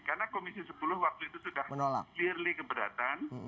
karena komisi sepuluh waktu itu sudah clearly keberatan